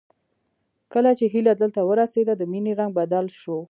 کله چې هيله دلته ورسېده د مينې رنګ بدل شو